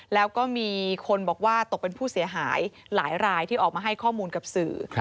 แล้วก็มีคนบอกว่าตกเป็นผู้เสียหายหลายรายที่ออกมาให้ข้อมูลกับสื่อ